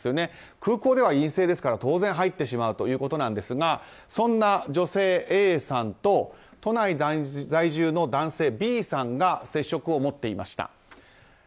空港では陰性ですから当然、入ってしまうということなんですがそんな女性Ａさんと都内在住の男性Ｂさんが接触を持っていました。